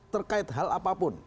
terkait hal apapun